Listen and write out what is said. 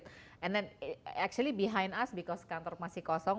dan sebenarnya di belakang kita karena kantor masih kosong